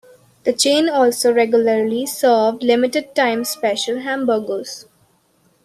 The chain also regularly served limited-time special hamburgers.